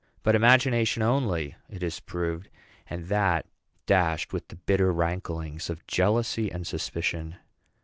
But imagination only it has proved, and that dashed with the bitter ranklings of jealousy and suspicion.